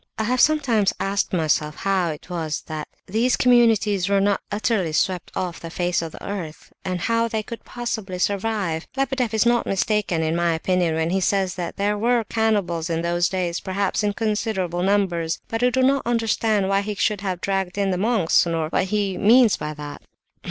I have sometimes asked myself how it was that these communities were not utterly swept off the face of the earth, and how they could possibly survive. Lebedeff is not mistaken, in my opinion, when he says that there were cannibals in those days, perhaps in considerable numbers; but I do not understand why he should have dragged in the monks, nor what he means by that."